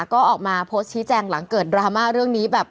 ก็ออกมาโพสต์ชี้แจงหลังเกิดดราม่าเรื่องนี้แบบ